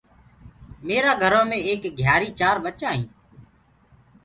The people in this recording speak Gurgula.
ميرآ گهرو مي ايڪ گهيآري چآر ٻچا هينٚ۔